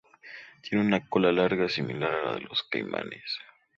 Tiene una cola larga, similar a la de los caimanes.